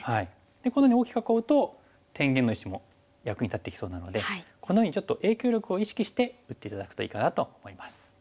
このように大きく囲うと天元の石も役に立ってきそうなのでこのようにちょっと影響力を意識して打って頂くといいかなと思います。